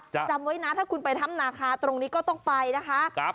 จำไว้นะถ้าคุณไปถ้ำนาคาตรงนี้ก็ต้องไปนะคะ